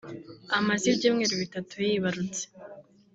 amaze ibyumweru bitatu yibarutse